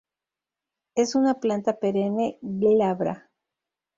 Es una planta perenne, glabra.